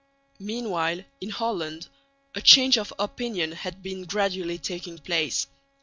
Meanwhile in Holland a change of opinion had been gradually taking place.